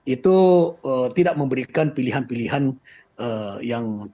itu tidak memberikan pilihan pilihan yang